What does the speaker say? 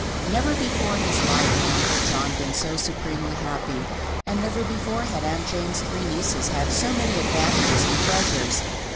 Never before in his life had Uncle John been so supremely happy, and never before had Aunt Jane's three nieces had so many advantages and pleasures.